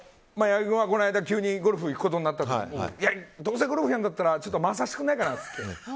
矢作君はこの間、急にゴルフに行くことになったけどどうせゴルフやるんだったら回させてくれないかなって。